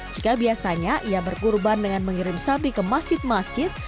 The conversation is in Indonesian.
jika biasanya ia berkurban dengan mengirim sapi ke masjid masjid